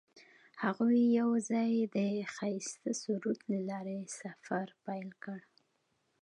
هغوی یوځای د ښایسته سرود له لارې سفر پیل کړ.